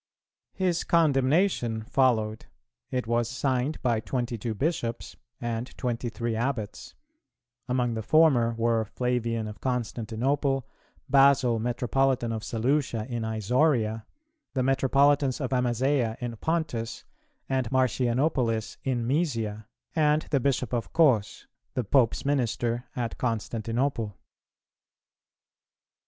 His condemnation followed: it was signed by twenty two Bishops and twenty three Abbots;[298:1] among the former were Flavian of Constantinople, Basil metropolitan of Seleucia in Isauria, the metropolitans of Amasea in Pontus, and Marcianopolis in Mœsia, and the Bishop of Cos, the Pope's minister at Constantinople.